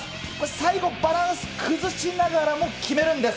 最後、バランス崩しながらも決めるんです。